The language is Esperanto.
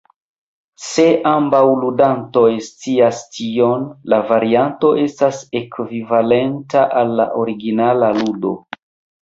Se ambaŭ ludantoj scias tion, la varianto estas ekvivalenta al la originala ludo.